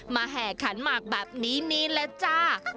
แห่ขันหมากแบบนี้นี่แหละจ้า